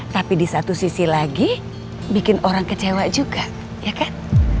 tapi di satu sisi lagi bikin orang kecewa juga ya kan